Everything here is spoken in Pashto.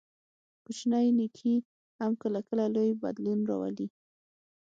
کوچنی نیکي هم کله کله لوی بدلون راولي.